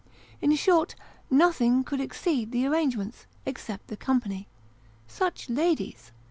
In short, nothing could exceed the arrangements, except the company. Such ladies!